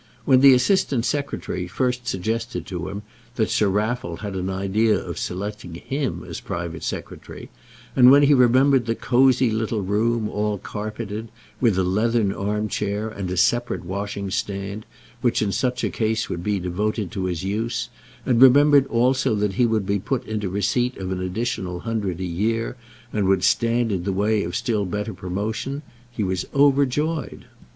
When the Assistant Secretary first suggested to him that Sir Raffle had an idea of selecting him as private secretary, and when he remembered the cosy little room, all carpeted, with a leathern arm chair and a separate washing stand, which in such case would be devoted to his use, and remembered also that he would be put into receipt of an additional hundred a year, and would stand in the way of still better promotion, he was overjoyed.